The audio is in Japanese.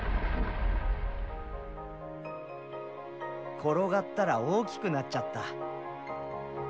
転がったら大きくなっちゃった。